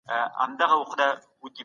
د مېوو خوړل د بدن د روغتیا ضامن دي.